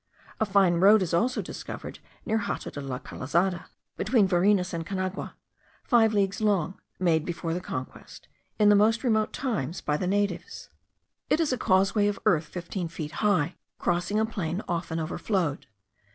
A fine road is also discovered near Hato de la Calzada, between Varinas and Canagua, five leagues long, made before the conquest, in the most remote times, by the natives. It is a causeway of earth fifteen feet high, crossing a plain often overflowed.